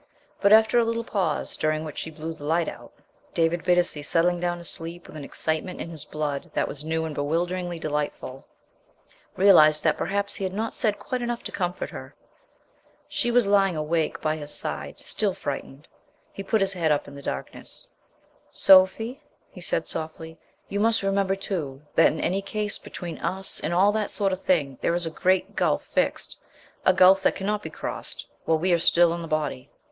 But, after a little pause, during which she blew the light out, David Bittacy settling down to sleep with an excitement in his blood that was new and bewilderingly delightful, realized that perhaps he had not said quite enough to comfort her. She was lying awake by his side, still frightened. He put his head up in the darkness. "Sophie," he said softly, "you must remember, too, that in any case between us and and all that sort of thing there is a great gulf fixed, a gulf that cannot be crossed er while we are still in the body."